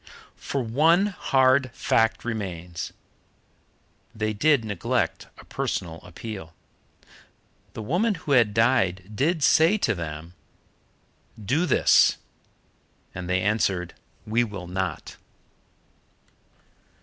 For one hard fact remains. They did neglect a personal appeal. The woman who had died did say to them, "Do this," and they answered, "We will not."